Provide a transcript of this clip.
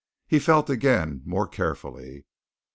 He felt again more carefully.